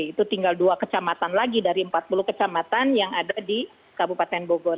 itu tinggal dua kecamatan lagi dari empat puluh kecamatan yang ada di kabupaten bogor